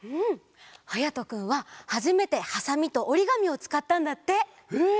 はやとくんははじめてハサミとおりがみをつかったんだって。え！？